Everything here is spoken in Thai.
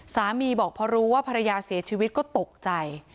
บอกพอรู้ว่าภรรยาเสียชีวิตก็ตกใจ